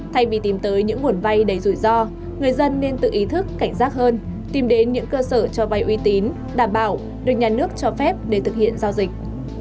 thay vì tìm tới những nguồn vay đầy rủi ro người dân nên tự ý thức cảnh giác hơn tìm đến những cơ sở cho vay uy tín đảm bảo được nhà nước cho phép để thực hiện giao dịch